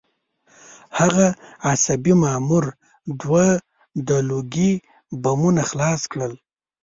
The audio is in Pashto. هغه عصبي مامور دوه د لوګي بمونه خلاص کړل